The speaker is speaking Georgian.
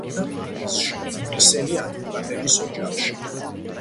დაიბადა პარიზში, ინგლისელი ადვოკატების ოჯახში.